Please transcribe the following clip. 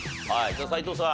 じゃあ斎藤さん。